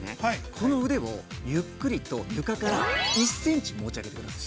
この腕をゆっくりと床から１センチ、持ち上げてください。